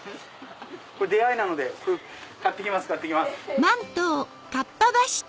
出会いなので買って行きます。